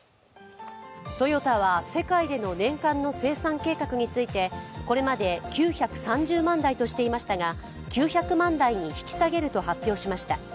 トヨタは世界での年間の生産計画についてこれまで９３０万台としていましたが、９００万台に引き下げると発表しました。